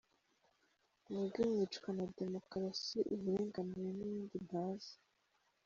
mwebwe mwicwa na demokrasi uburinganire nibindi ntazi.